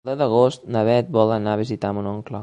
El deu d'agost na Bet vol anar a visitar mon oncle.